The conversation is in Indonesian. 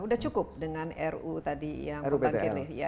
sudah cukup dengan ru tadi yang panggil